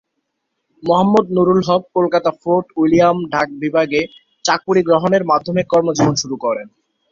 Mohammad Nurul Haque Kolkata Fort William ডাক বিভাগে চাকুরী গ্রহণের মাধ্যমে কর্ম জীবন শুরু করেন।